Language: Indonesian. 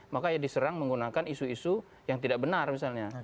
maka ya diserang menggunakan isu isu yang tidak benar misalnya